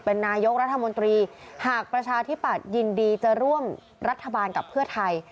เป็นนายกรัฐมนตรีหากประชาธิปัตย์ยินดีจะร่วมรัฐบาลกับเพื่อไทย